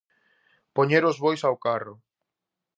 Poñer os bois ao carro.